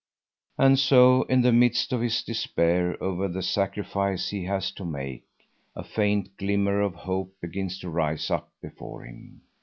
And so in the midst of his despair over the sacrifice he has to make, a faint glimmer of hope begins to rise up before him.